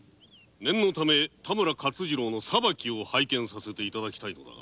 念のため田村勝次郎の裁きを拝見させていただけぬか。